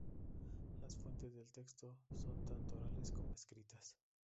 Las fuentes del texto son tanto orales como escritas.